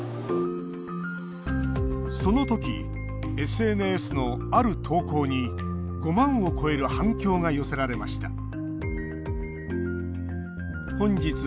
そのときＳＮＳの、ある投稿に５万を超える反響が寄せられました